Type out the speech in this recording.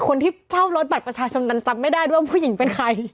คนที่เช่ารถบัตรประชาชนนั้นจำไม่ได้ด้วยว่าผู้หญิงเป็นใคร